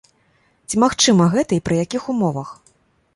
Ці магчыма гэта і пры якіх умовах?